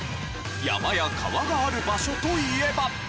山や川がある場所といえば？